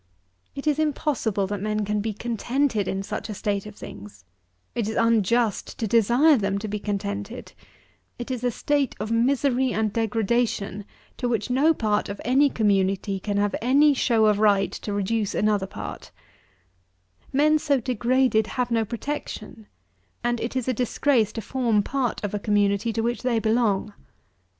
It is impossible that men can be contented in such a state of things: it is unjust to desire them to be contented: it is a state of misery and degradation to which no part of any community can have any show of right to reduce another part: men so degraded have no protection; and it is a disgrace to form part of a community to which they belong.